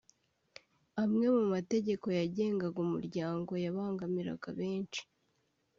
Amwe mu mategeko yagengaga umuryango yabangamiraga benshi